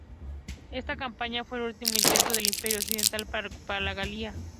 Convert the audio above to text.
Esta campaña fue el último intento del Imperio occidental por recuperar la Galia.